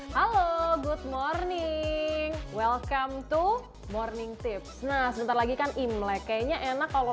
halo good morning welcome to morning tips nah sebentar lagi kan imlek kayaknya enak kalau